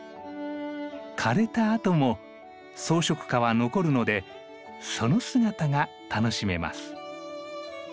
枯れたあとも装飾花は残るのでその姿が楽しめます。